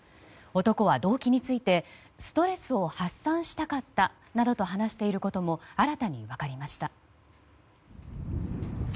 男は、動機についてストレスを発散したかったなどと話していることも新たに分かりました。